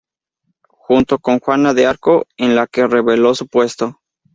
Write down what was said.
Junto con Juana de Arco en la que relevó su puesto.